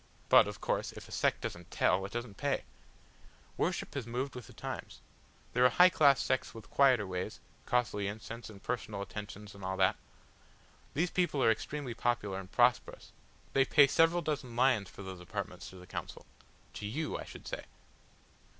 But, of course, if a sect doesn't tell it doesn't pay. Worship has moved with the times. There are high class sects with quieter ways costly incense and personal attentions and all that. These people are extremely popular and prosperous. They pay several dozen lions for those apartments to the Council to you, I should say."